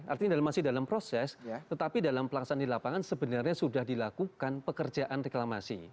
artinya masih dalam proses tetapi dalam pelaksanaan di lapangan sebenarnya sudah dilakukan pekerjaan reklamasi